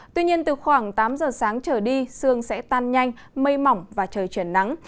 tuy nhiên từ khoảng tám giờ sáng trở đi sương sẽ tan nhanh mây mỏng và trời chuyển nắng